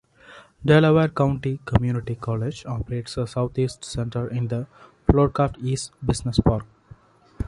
Delaware County Community College operates the Southeast Center in the Folcroft East Business Park.